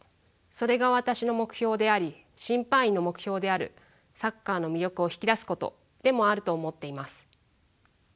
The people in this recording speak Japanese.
それが私の目標であり審判員の目標であるサッカーの魅力を引き出すことでもあると思っています。